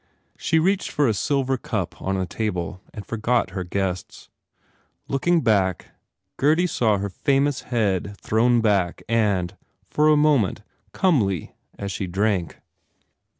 She reached for a silver cup on a table and forgot her guests. Looking back, 109 THE FAIR REWARDS Gurdy saw her famous head thrown back and, for a moment, comely as she drank.